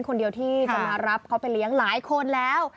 คนเดียวที่จะมารับเขาไปเลี้ยงหลายคนแล้ว